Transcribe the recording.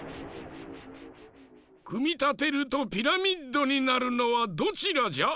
くみたてるとピラミッドになるのはどちらじゃ？